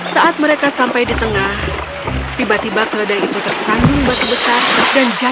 saat mereka sampai di tengah tiba tiba keledai itu tersandung batu besar dan jatuh